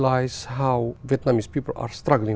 người việt đang khó khăn vì sự tự nhiên